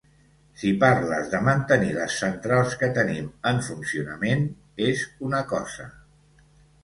Si parles de mantenir les centrals que tenim en funcionament, és una cosa.